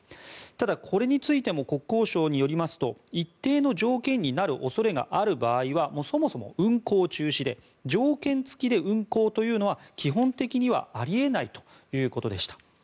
ただ、これについても国交省によりますと一定の条件になる恐れがある場合はそもそも運航中止で条件付きで運航というのは基本的にはあり得ないということでした。